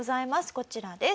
こちらです。